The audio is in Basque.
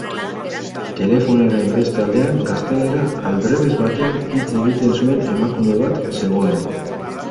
Telefonoaren beste aldean gaztelera aldrebes batean hitz egiten zuen emakume bat zegoen.